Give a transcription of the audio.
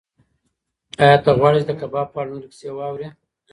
ایا ته غواړې چې د کباب په اړه نورې کیسې واورې؟